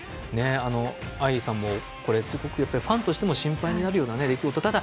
愛莉さんも、すごくファンとしても心配になるような出来事ですね。